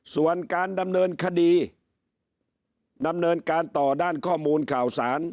ส่วนการดำเนินคดีดำเนินการต่อด้านข้อมูลข่าวสาร